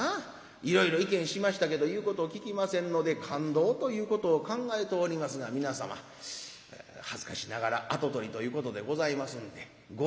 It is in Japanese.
『いろいろ意見しましたけど言うことを聞きませんので勘当ということを考えておりますが皆様恥ずかしながら跡取りということでございますんでご意見を』